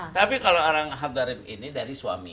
tapi kalau orang hadarip ini dari suami